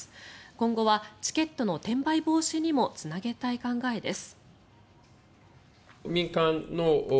今後はチケットの転売防止にもつなげたい考えです。